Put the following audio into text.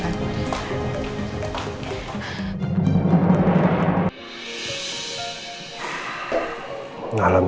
apa dengan anaknya